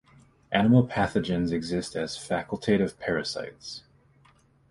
Animal pathogens exist as facultative parasites.